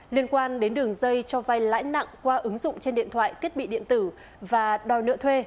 liên quan đến đường dây cho vai lãi nặng qua ứng dụng trên điện thoại thiết bị điện tử và đòi nợ thuê